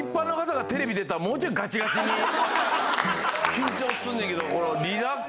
緊張すんねんけど。